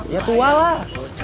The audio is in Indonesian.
ya tua lah